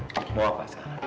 mau apa mas